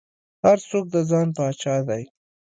هر څوک د ځان پاچا دى.